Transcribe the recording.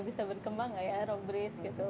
bisa berkembang nggak ya robris gitu